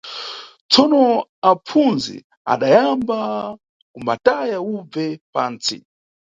Tsono apfundzi adayamba kumbataya ubve pantsi.